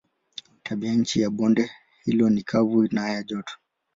Tabianchi ya bonde hilo ni kavu na ya joto.